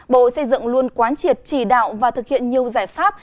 bộ xây dựng luôn quán triệt chỉ đạo và thực hiện nhiều giải pháp